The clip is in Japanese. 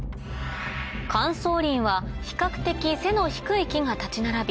乾燥林は比較的背の低い木が立ち並び